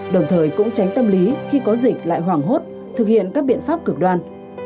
đồng thời cũng tránh tâm lý khi có dịch lại hoảng hốt thực hiện các biện pháp cực đoan